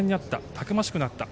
たくましくなった。